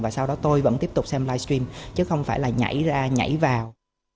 và sau đó tôi vẫn tiếp tục xem live stream chứ không phải là nhảy ra nhảy vào